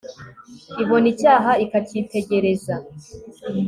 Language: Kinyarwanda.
ibona icyaha, ikacyitegereza